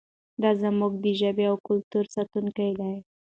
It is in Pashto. دی زموږ د ژبې او کلتور ساتونکی دی.